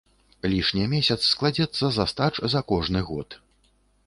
Лішні месяц складзецца з астач за кожны год.